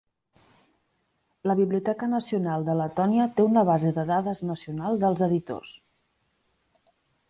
La Biblioteca Nacional de Letònia té una base de dades nacional dels editors.